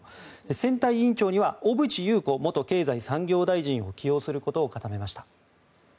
選対委員長には小渕優子元経済産業大臣を起用することを固めました。